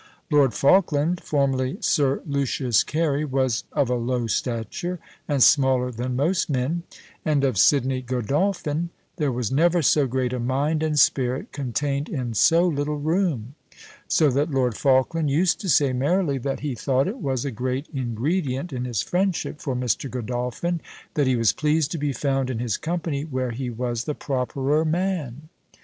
Lord Falkland, formerly Sir Lucius Carey, was of a low stature, and smaller than most men; and of Sidney Godolphin, "There was never so great a mind and spirit contained in so little room; so that Lord Falkland used to say merrily, that he thought it was a great ingredient in his friendship for Mr. Godolphin, that he was pleased to be found in his company where he was the properer man."